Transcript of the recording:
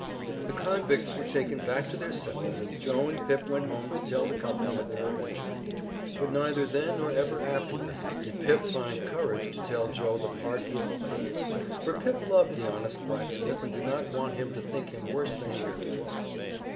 The convicts were taken back to their cells and Joe and Pip went home to tell the company of their adventure. But neither then nor ever afterward did Pip find courage to tell Joe the part he had played; for Pip loved the honest blacksmith and did not want him to think him worse than he really was.